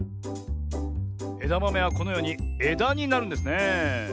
えだまめはこのようにえだになるんですねえ。